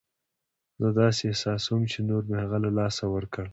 زه داسې احساسوم چې نور مې هغه له لاسه ورکړ.